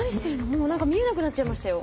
もう何か見えなくなっちゃいましたよ。